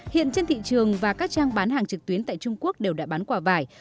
hiện trên thị trường và các trang bán hàng trực tuyến tại trung quốc đều đã bán quả vải